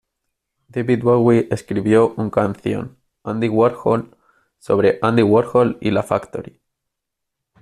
David Bowie escribió un canción, "Andy Warhol," sobre Andy Warhol y la Factory.